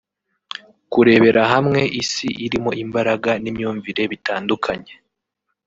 kurebera hamwe Isi irimo imbaraga n’imyumvire bitandukanye